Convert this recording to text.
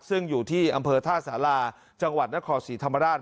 ซึ่งอยู่ที่อำเภอท่าสาราจังหวัดนครศรีธรรมราช